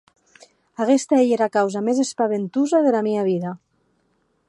Aguesta ei era causa mès espaventosa dera mia vida.